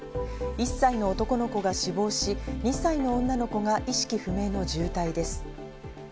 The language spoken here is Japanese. １歳の男の子が死亡し、２歳の女の子が意識不明の重体です。